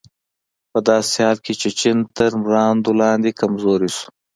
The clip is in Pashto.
په داسې حال کې چې چین تر مراندو لاندې کمزوری شو.